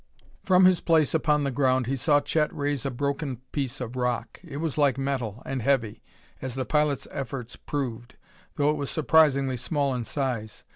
From his place upon the ground he saw Chet raise a broken piece of rock. It was like metal, and heavy, as the pilot's efforts proved, though it was surprisingly small in size.